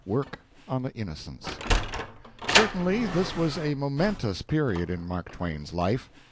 WORK ON THE "INNOCENTS" Certainly this was a momentous period in Mark Twain's life.